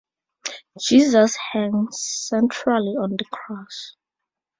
Jesus hangs centrally on the cross.